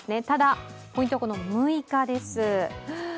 ただ、ポイントは６日です。